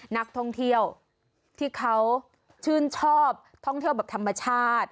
นักท่องเที่ยวที่เขาชื่นชอบท่องเที่ยวแบบธรรมชาติ